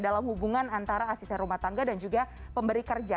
dalam hubungan antara asisten rumah tangga dan juga pemberi kerja